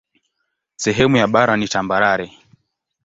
Sehemu ya bara ni tambarare.